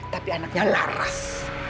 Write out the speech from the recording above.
tapi anaknya laras